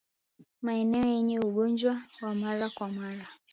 Maeneo yenye ugonjwa wa mara kwa mara